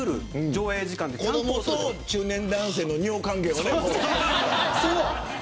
中年男性の尿問題もね。